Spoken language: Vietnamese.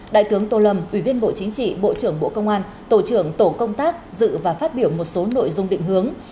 đại tướng tô lâm ủy viên bộ chính trị bộ trưởng bộ công an tổ trưởng tổ công tác dự và phát biểu một số nội dung định hướng